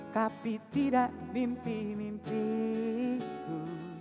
tapi tidak mimpi mimpiku